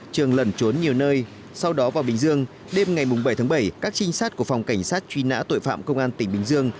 trường lẩn trốn nhiều nơi sau đó vào bình dương đêm ngày bảy tháng bảy các trinh sát của phòng cảnh sát truy nã tội phạm công an tỉnh bình dương